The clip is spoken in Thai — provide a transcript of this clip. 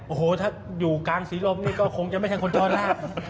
โอ้โหถ้าอยู่กลางศรีลมนี่ก็คงจะไม่ใช่คนจนแล้ว